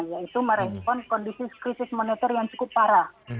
yaitu merespon kondisi krisis monitor yang cukup parah